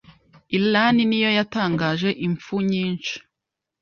Iran ni yo yatangaje impfu nyinshi